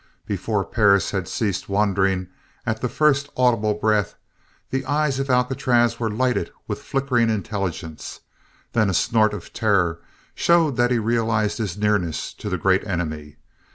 Before Perris had ceased wondering at the first audible breath the eyes of Alcatraz were lighted with flickering intelligence; then a snort of terror showed that he realized his nearness to the Great Enemy.